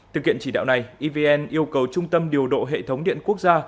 thực hiện chỉ đạo này evn yêu cầu trung tâm điều độ hệ thống điện quốc gia